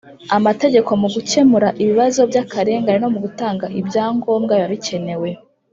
Amategeko mu gukemura ibibazo by akarengane no mu gutanga ibyangombwa biba bikenewe